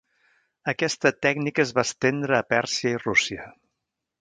Aquesta tècnica es va estendre a Pèrsia i Rússia.